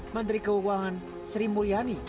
menteri keuangan sri mulyani